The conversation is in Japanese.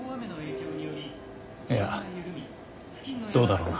いやどうだろうな。